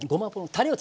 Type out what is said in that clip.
たれを。